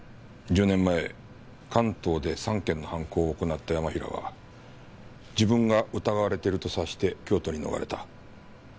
１０年前関東で３件の犯行を行った山平は自分が疑われてると察して京都に逃れた。